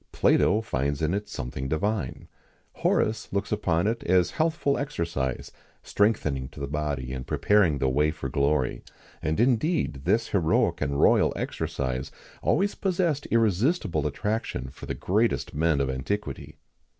[XIX 9] Plato finds in it something divine,[XIX 10] Horace looks upon it as healthful exercise, strengthening to the body, and preparing the way for glory;[XIX 11] and indeed, this heroic and royal exercise[XIX 12] always possessed irresistible attraction for the greatest men of antiquity.